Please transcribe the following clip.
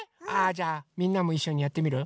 じゃあみんなもいっしょにやってみる？